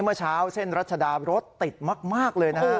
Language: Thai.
เมื่อเช้าเส้นรัชดารถติดมากเลยนะฮะ